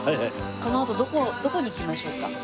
このあとどこに行きましょうか？